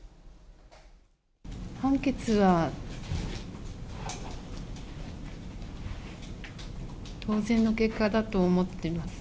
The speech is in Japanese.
判決は、当然の結果だと思っています。